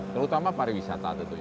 terutama pariwisata tentunya